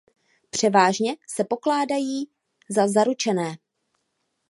Převážně se pokládají za zaručené.